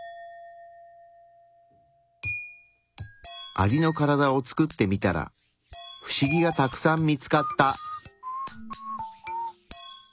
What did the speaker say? アリのカラダを作ってみたらフシギがたくさん見つかった。